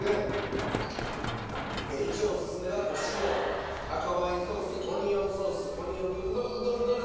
一応オススメはお塩赤ワインソースオニオンソースオニオンどれ？